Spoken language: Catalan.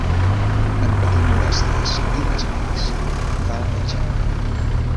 En patir molèsties i desmais, va al metge.